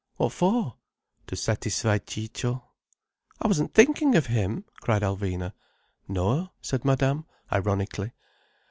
"What for?" "To satisfy Ciccio." "I wasn't thinking of him," cried Alvina. "No?" said Madame ironically.